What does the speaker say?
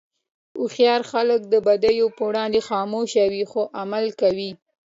هوښیار خلک د بدیو پر وړاندې خاموش وي، خو عمل کوي.